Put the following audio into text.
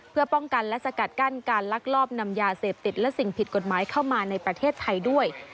เพื่อป้องกันและสกัดกั้นการลักลอบนำยาเสพติดและสิ่งผิดกฎหมายเข้ามาในประเทศไทยด้วย